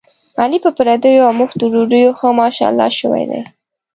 علي په پردیو اومفتو ډوډیو ښه ماشاءالله شوی دی.